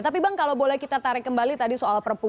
tapi bang kalau boleh kita tarik kembali tadi soal perpu